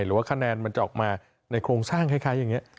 หรือว่าคะแนนมันจะออกมาในโครงสร้างคล้ายอย่างนี้